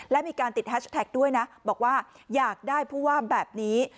และมีการติดแฮชแท็กด้วยนะบอกว่าอยากได้ผู้ว่าแบบนี้